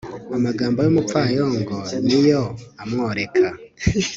amagambo y'umupfayongo ni yo amworeka